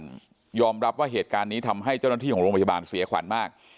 ยอมรับว่าเหตุการณ์นี้ทำให้เจ้าหน้าที่ของโรงพยาบาลเสียขวัญมาก